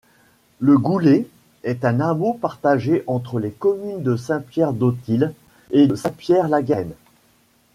Le Goulet est un hameau partagé entre les communes de Saint-Pierre-d'Autils et de Saint-Pierre-la-Garenne.